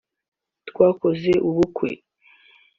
twakoze ubukwe